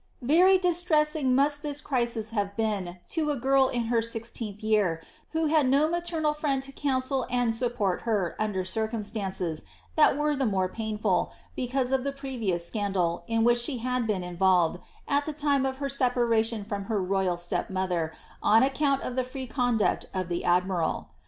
Very distressing must this crisis have been to a girl in her sixteenth year, who had no maternal friend to counsel and support her, under cir cumstances, that were the more painful, because of the previous scandal in which she had been involved, at the time of her separation from her royal stepmother, on account of the free conduct of the admiral.